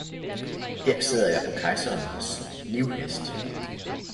Her sidder jeg på kejserens livhest